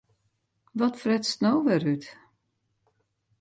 Wat fretst no wer út?